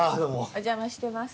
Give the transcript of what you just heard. お邪魔してます。